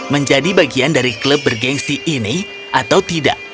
menjadi bagian dari klub bergensi ini atau tidak